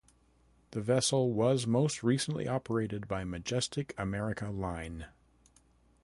The vessel was most recently operated by Majestic America Line.